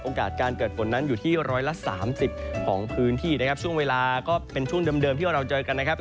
การเกิดฝนนั้นอยู่ที่ร้อยละสามสิบของพื้นที่นะครับช่วงเวลาก็เป็นช่วงเดิมที่เราเจอกันนะครับ